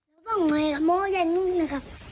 มีบางอย่างนะครับม้อแย่นู้นนะครับ